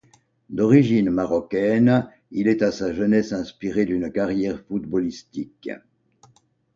D'origine marocaine, il est à sa jeunesse inspiré d'une carrière footballistique.